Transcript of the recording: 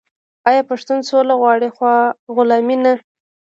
آیا پښتون سوله غواړي خو غلامي نه؟